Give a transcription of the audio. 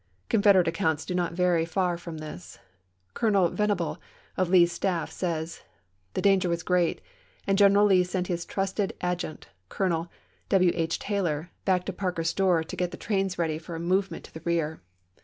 Con federate accounts do not vary far from this. Colonel Venable, of Lee's staff, says, " The danger was gi*eat and General Lee sent his trusted adju tant. Colonel W. H. Taylor, back to Parker's Store to get the trains ready for a movement to the rear."